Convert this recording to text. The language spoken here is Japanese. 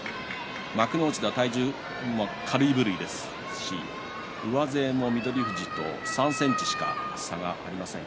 幕内体重も軽い部類ですし上背も翠富士と３ｃｍしか差がありません。